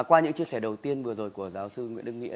qua những chia sẻ đầu tiên vừa rồi của giáo sư nguyễn đức nghĩa